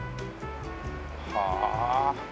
はあ。